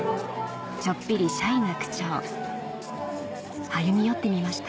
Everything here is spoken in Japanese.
ちょっぴりシャイな区長歩み寄ってみました